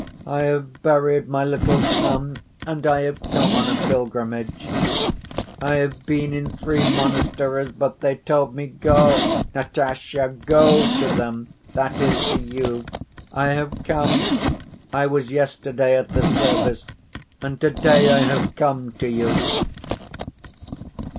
I have buried my little son, and I have come on a pilgrimage. I have been in three monasteries, but they told me, 'Go, Nastasya, go to them'—that is to you. I have come; I was yesterday at the service, and to‐day I have come to you."